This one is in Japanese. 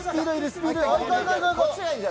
スピードよ。